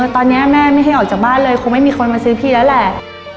ตอนนี้แม่ไม่ให้ออกจากบ้านเลยคงไม่มีคนมาซื้อพี่แล้วแหละ